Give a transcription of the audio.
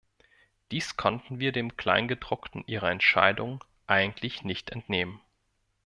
Dies konnten wir dem Kleingedruckten ihrer Entscheidungen eigentlich nicht entnehmen.